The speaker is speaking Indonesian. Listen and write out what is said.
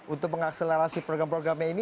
untuk mengakselerasi program programnya ini